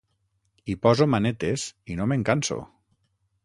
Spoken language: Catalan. Hi poso manetes, i no me'n canso.